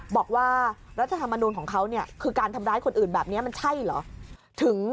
บอกว่ารัฐธรรมนูลของเขาเนี่ยคือการทำร้ายคนอื่นแบบนี้มันใช่เหรอ